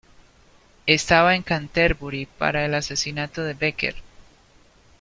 Estaba en Canterbury para el asesinato de Becket.